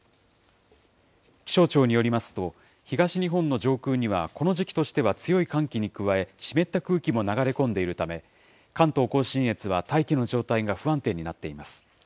気象庁によりますと、東日本の上空にはこの時期としては強い寒気に加え、湿った空気も流れ込んでいるため、関東甲信越は大気の状態が不安定になっています。